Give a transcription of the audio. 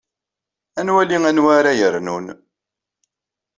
Ad nwali anwa ara yernun.